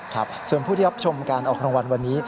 ครับส่วนผู้ที่รับชมการออกรางวัลวันนี้